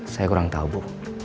saya kurang tahu bu